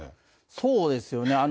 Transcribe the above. そうですよね。